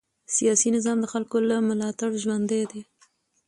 سیاسي نظام د خلکو له ملاتړ ژوندی دی